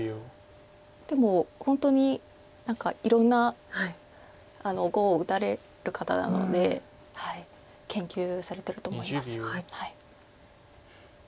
でも本当に何かいろんな碁を打たれる方なので研究されてると思います。